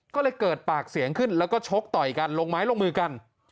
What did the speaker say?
ก็เลยเกิดปากเสียงขึ้นแล้วก็ชกต่อยกันลงไม้ลงมือกัน